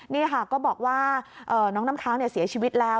นี่ค่ะก็บอกว่าน้องน้ำค้างเสียชีวิตแล้ว